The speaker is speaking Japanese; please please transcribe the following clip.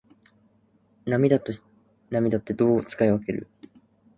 涙と泪ってどう使い分ける？